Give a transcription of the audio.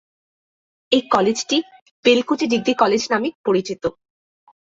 এই কলেজটি "Belkuchi degree college" নামে পরিচিত।